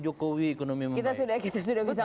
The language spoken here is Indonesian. jokowi ekonomi kita sudah bisa